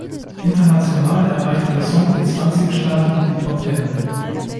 International erreichte der Song in zwanzig Staaten die Top-Ten.